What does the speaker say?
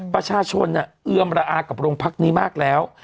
ประชาชนเนี่ยเอื้อมระอาจกับโรงพักษณ์นี้มากแล้ว